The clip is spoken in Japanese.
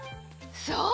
そう！